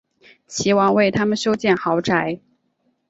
齐王为他们修建豪宅。